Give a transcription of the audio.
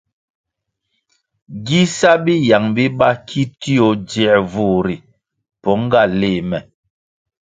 Gi sa biyang biba ki tio dzier vur ri pong nga léh me.